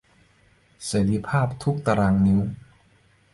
เสรีภาพทุกข์ตะรางนิ้ว